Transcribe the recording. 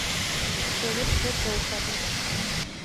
დევებს ვერ გაუხარიათ